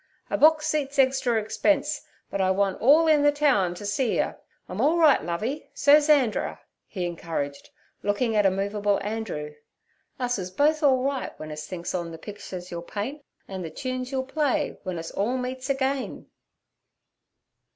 'A box seat's egstra egspense, but I wunt all in ther towen t' see yer. I'm orlright, Lovey, so's Anderer' he encouraged, looking at immovable Andrew; 'us is both orlright w'en us thinks on ther picksurs you'll paint and ther toons you'll play when us orl meets again.'